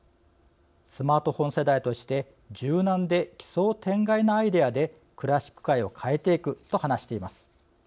「スマートフォン世代として柔軟で奇想天外なアイデアでクラシック界を変えていく」と話しています。